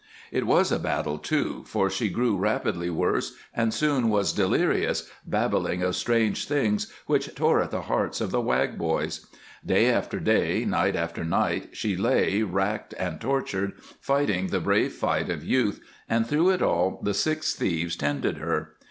It was a battle, too, for she grew rapidly worse and soon was delirious, babbling of strange things which tore at the hearts of the Wag boys. Day after day, night after night, she lay racked and tortured, fighting the brave fight of youth, and through it all the six thieves tended her.